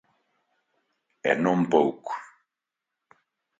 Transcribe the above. E non pouco.